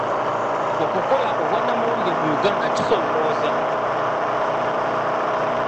Okukola obwannamawulire mu Uganda kisoomooza.